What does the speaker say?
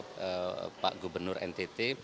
pak gubernur ntt